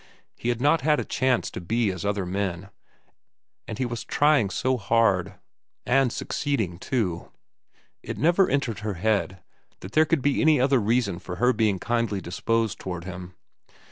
He had not had a chance to be as other men, and he was trying so hard, and succeeding, too. It never entered her head that there could be any other reason for her being kindly disposed toward him.